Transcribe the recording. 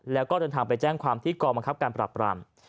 แล้วก็เดินทางไปแจ้งความที่กองบังคับการปรับปราม